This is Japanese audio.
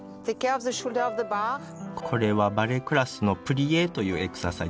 これはバレエクラスの「プリエ」というエクササイズ